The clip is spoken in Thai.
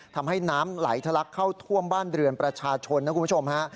ทำให้น้ำไหลทะลักเข้าท่วมบ้านเรือนประชาชนนะคุณผู้ชมฮะ